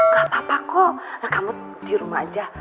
gapapa kok kamu di rumah aja